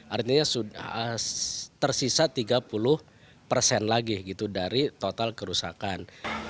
artinya sudah tersisa tiga puluh persen lagi gitu dari total kerusakan